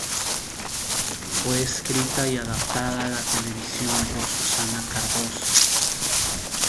Fue escrita y adaptada a la televisión por Susana Cardozo.